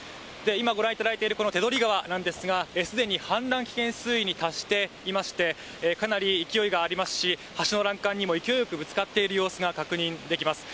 今ご覧いただいているこの手取川なんですが、すでに氾濫危険水位に達していまして、かなり勢いがありますし、橋の欄干にも勢いよくぶつかっている様子が確認できます。